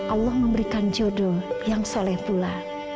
allah memberikan jodoh yang soleh pula